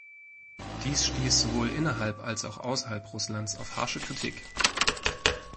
Dies stieß sowohl innerhalb als auch außerhalb Russlands auf harsche Kritik.